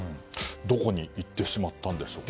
どこに行ってしまったんでしょうか。